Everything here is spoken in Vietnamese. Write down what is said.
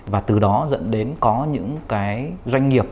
và từ đó dẫn đến có những doanh nghiệp